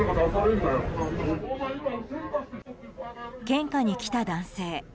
献花に来た男性。